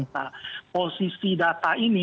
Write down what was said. nah posisi data ini